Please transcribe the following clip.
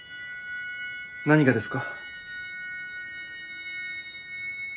何がですか？